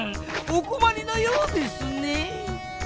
おこまりのようですねぇ。